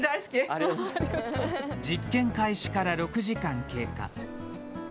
実験開始から６時間経過。